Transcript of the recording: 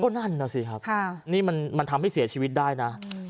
ก็นั่นน่ะสิครับค่ะนี่มันมันทำให้เสียชีวิตได้น่ะอืม